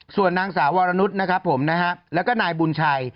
ส่วนนางสาววรนุษย์นะครับผมนะฮะแล้วก็นายบุญชัย